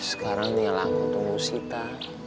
sekarang nih laku tunggu sita